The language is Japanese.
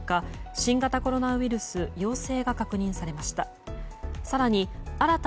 新型コロナウイルス陽性が確認されました。